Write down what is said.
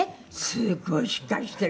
「すごい！しっかりしてる」